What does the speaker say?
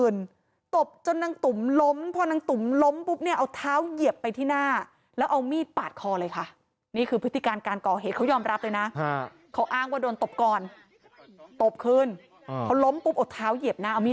น้อยน้อยน้อยน้อยน้อยน้อยน้อยน้อยน้อยน้อยน้อยน้อยน้อยน้อยน้อยน้อยน้อยน้อย